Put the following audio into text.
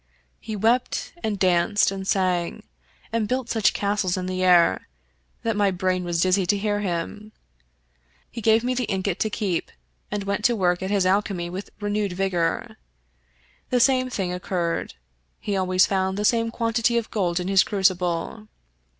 He wept, and danced, and sang, and built such castles in the air, that my brain was dizzy to hear him. He gave me the ingot to keep, and went to work at his alchemy with renewed vigor. The same thing occurred. He always found the same quantity of gold in his crucible.